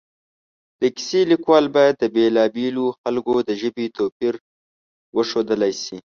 د کیسې لیکوال باید د بېلا بېلو خلکو د ژبې توپیر وښودلی شي